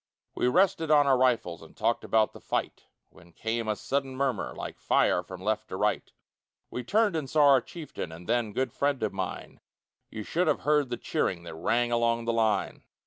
We rested on our rifles And talked about the fight, When came a sudden murmur Like fire from left to right; We turned and saw our chieftain, And then, good friend of mine, You should have heard the cheering That rang along the line.